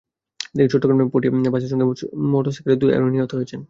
এদিকে চট্টগ্রামের পটিয়ায় বাসের সঙ্গে সংঘর্ষে মোটরসাইকেলের দুই আরোহী নিহত হয়েছেন।